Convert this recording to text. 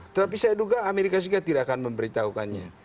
tapi saya duga amerika serikat tidak akan memberitahukannya